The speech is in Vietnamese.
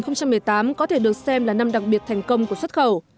năm hai nghìn một mươi tám có thể được xem là năm đặc biệt thành công của xuất khẩu